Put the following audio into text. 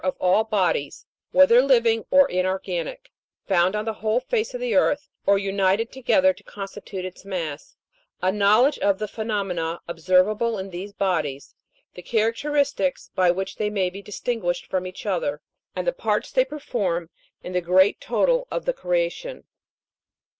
of all bodies, whether living or inorganic, found on the whole face of the earth, or united together to constitute its mass ; a knowledge of the phenomena observable in these bodies, the characteristics by which they may be distinguished from each other, and the parts they perform in the great total of the creation.